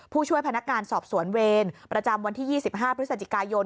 ผู้ช่วยพนักงานสอบสวนเวรประจำวันที่๒๕พฤศจิกายน